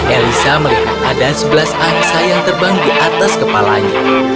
elisa melihat ada sebelas angsa yang terbang di atas kepalanya